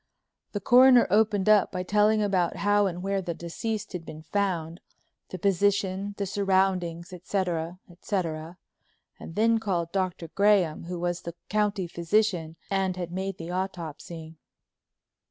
The Coroner opened up by telling about how and where the deceased had been found, the position, the surroundings, etc., etc., and then called Dr. Graham, who was the county physician and had made the autopsy.